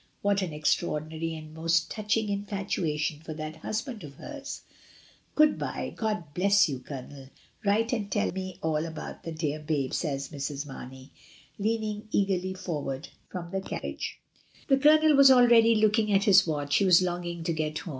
What an extraordinary and most touching infatuation for that husband of hers ! "Good bye; Gk)d bless you. Colonel. Write and tell me all about the dear babe," says Mrs. Marney, leaning eagerly forward from the carriage.' A WELCOME. 271 The Colonel was already looking at his watch; he was longing to get home.